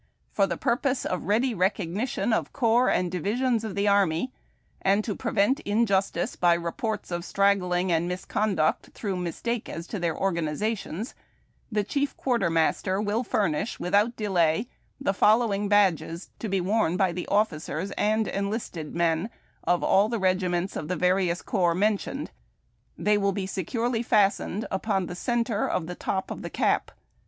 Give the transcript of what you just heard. For the purpose of ready recognition of corps and divisions of tlie army, and to prevent injustice by reports of straggling and misconduct througli mistake as to their organizations, the chief quartermaster will furnish, with out delay, the following badges, to be worn by the officers and enlisted men of all the regiments of the various corps mentioned. They will be securely fastened upon the centre of the top of the cap.